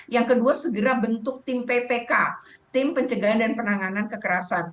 yang kedua segera bentuk tim ppk tim pencegahan dan penanganan kekerasan